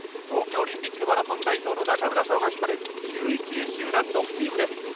東京オリンピックマラソン代表の中村匠吾が引っ張る１１位集団６チームです。